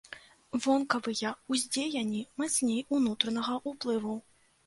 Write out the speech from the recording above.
Вонкавыя ўздзеянні мацней унутранага ўплыву.